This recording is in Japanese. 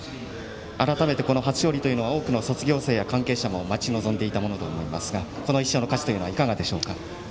改めて初勝利というのは大きな卒業生などが待ち望んでいたものと思いますがこの１勝の価値はいかがですか。